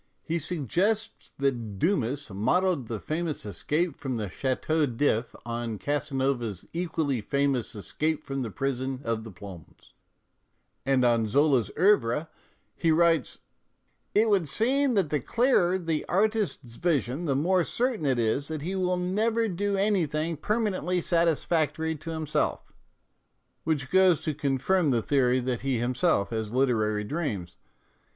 He suggests that Dumas modelled the famous escape from the Chateau d'lf on Casanova's equally famous escape from the prison of the Plombs, and on Zola's " CEuvre " he writes :" It would seem that the clearer the artist's vision the more certain it is that he will never do anything permanently satisfactory to him self," which goes to confirm the theory that he himself has literary dreams.